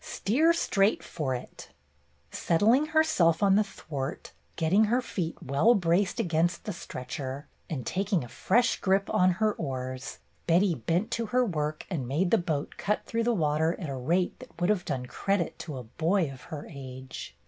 Steer straight for it." THE PICNIC 33 Settling herself on the thwart, getting her feet well braced against the stretcher, and taking a fresh grip on her oars, Betty bent to her work and made the boat cut through the water at a rate that would have done credit to a boy of her age.